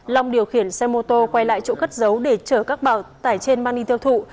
long điều khiển xe mô tô quay lại chỗ cất giấu để chở các bao tải trên mang đi tiêu thụ